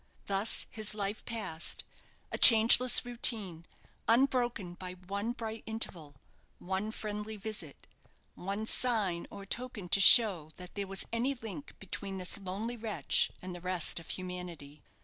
Thus his life passed a changeless routine, unbroken by one bright interval, one friendly visit, one sign or token to show that there was any link between this lonely wretch and the rest of humanity.